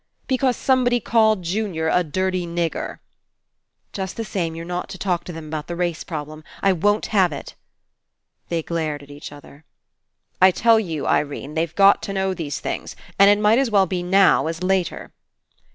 Because somebody called Jun ior a dirty nigger." "Just the same you're not to talk to them about the race problem. I won't have It." They glared at each other. "I tell you, Irene, they've got to know these things, and it might as well be now as later."